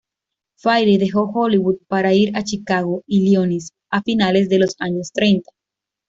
Faire dejó Hollywood para ir a Chicago, Illinois, a finales de los años treinta.